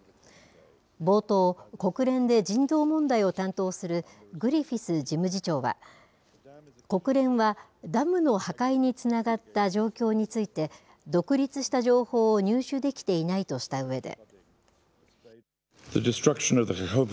冒頭、国連で人道問題を担当するグリフィス事務次長は、国連はダムの破壊につながった状況について、独立した情報を入手できていないとしたうえで。